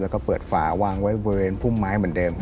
แล้วก็เปิดฝาวางไว้บริเวณพุ่มไม้เหมือนเดิม